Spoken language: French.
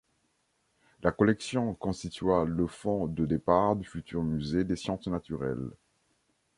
La collection constitua le fonds de départ du futur musée des sciences naturelles.